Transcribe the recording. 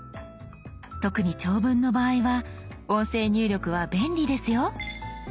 特に長文の場合は音声入力は便利ですよ。